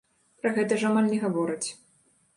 Пра гэта ж амаль не гавораць.